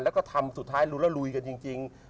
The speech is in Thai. แล้วก็ทำสุดท้ายรุ้นแล้วลุยกันจริง